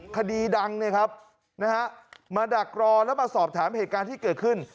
คดีดังมาดักรอแล้วมาสอบถามเหตุการณ์ที่เกิดขึ้น